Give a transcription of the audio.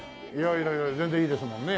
いやいや全然いいですもんね。